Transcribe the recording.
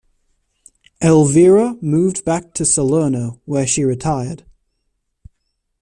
Elvira moved back to Salerno where she retired.